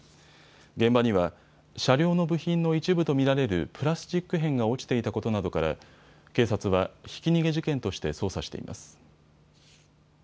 現場には車両の部品の一部と見られるプラスチック片が落ちていたことなどから警察はひき逃げ事件として捜査しています。